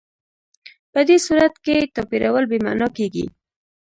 په دې صورت کې توپیرول بې معنا کېږي.